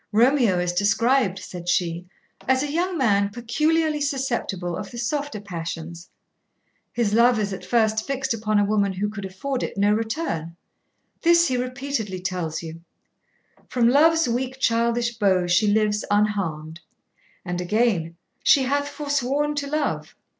'Romeo is described,' said she, 'as a young man peculiarly susceptible of the softer passions; his love is at first fixed upon a woman who could afford it no return; this he repeatedly tells you, From love's weak, childish bow she lives unharmed, and again She hath forsworn to love.